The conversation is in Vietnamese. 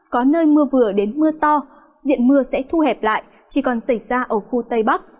có nơi mưa vừa đến mưa to diện mưa sẽ thu hẹp lại chỉ còn xảy ra ở khu tây bắc